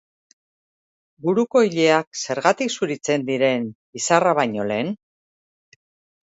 Buruko ileak zergatik zuritzen diren bizarra baino lehen?